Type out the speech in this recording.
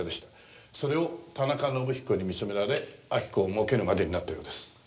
それを田中伸彦に見初められ明子をもうけるまでになったようです。